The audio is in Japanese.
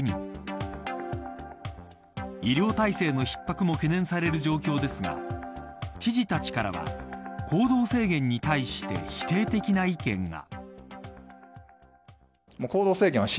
医療体制の逼迫も懸念される状況ですが知事たちからは行動制限に対して否定的な意見が。